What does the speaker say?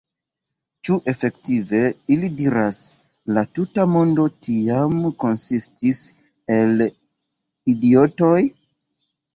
« Ĉu efektive », ili diras, « la tuta mondo tiam konsistis el idiotoj?"